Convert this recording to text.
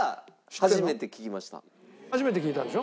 初めて聞いたんでしょ？